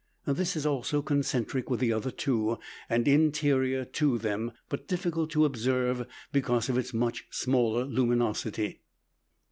This is also concentric with the other two, and interior to them, but difficult to observe, because of its much smaller luminosity.